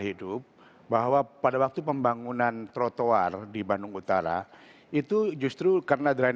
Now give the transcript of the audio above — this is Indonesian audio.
hidup bahwa pada waktu pembangunan trotoar di bandung utara itu justru karena drin